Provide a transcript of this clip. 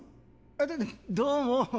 どどうも。